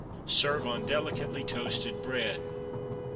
Serve on delicately toasted bread.